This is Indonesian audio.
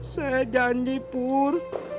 saya janji pur